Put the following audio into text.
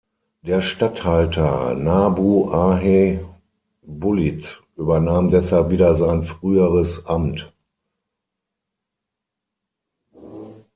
Der Statthalter Nabû-ahhe-bullit übernahm deshalb wieder sein früheres Amt.